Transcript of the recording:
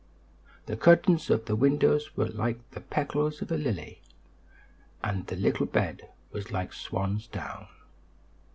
The curtains at the windows were like the petals of a lily, and the little bed was like swan's down.